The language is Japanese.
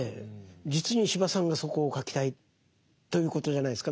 実に司馬さんがそこを書きたいということじゃないですか。